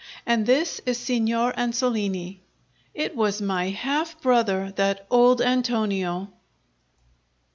And this is Signor Ansolini." It was my half brother, that old Antonio!